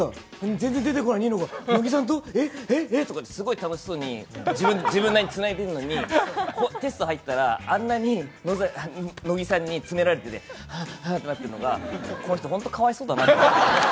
全然出てこないニノが乃木さんと！ってすごい楽しそうに自分なりにつないでるのにテスト入ったらあんなに乃木さんに詰められてて、ハッハッってなっててこの人本当にかわいそうだなって思いました。